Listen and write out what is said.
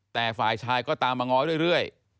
แต่ฝ่ายชายก็ตามมาง้อเรื่อย